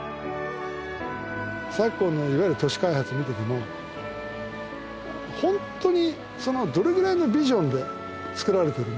昨今のいわゆる都市開発見てても本当にどれぐらいのビジョンで造られているんだ。